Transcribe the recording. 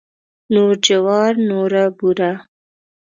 نور جوار نوره بوره.